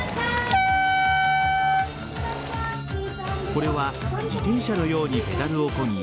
これは自転車のようにペダルをこぎ